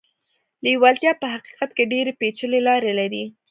لېوالتیا په حقيقت کې ډېرې پېچلې لارې لري.